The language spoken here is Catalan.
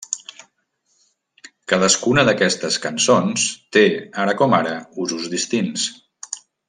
Cadascuna d'aquestes cançons té ara com ara usos distints.